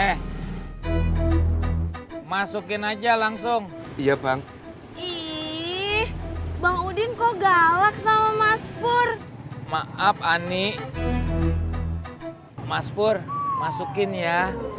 eh masukin aja langsung iya bang ih bang udin kok galak sama mas pur maaf ani mas pur masukin ya